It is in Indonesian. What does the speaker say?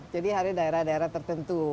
jadi harusnya daerah daerah tertentu